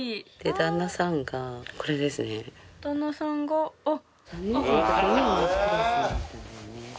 旦那さんがあっ。